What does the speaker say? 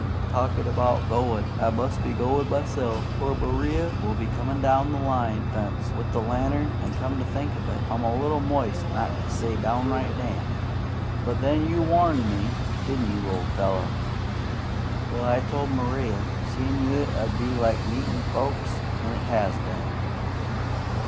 Talkin' 'bout goin', I must be goin' myself, or Maria will be comin' down the line fence with the lantern; an', come to think of it, I'm a little moist, not to say downright damp. But then you WARNED me, didn't you, old fellow? Well, I told Maria seein' you 'ud be like meetin' folks, an' it has been.